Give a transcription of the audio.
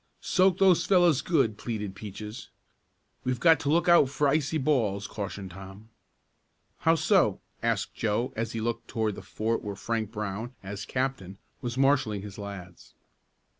"Soak those fellows good!" pleaded Peaches. "We've got to look out for icy balls," cautioned Tom. "How so?" asked Joe, as he looked toward the fort where Frank Brown, as captain, was marshalling his lads.